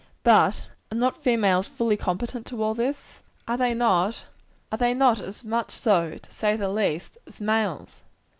But are not females fully competent to all this? Are they not as much so, to say the least, as males?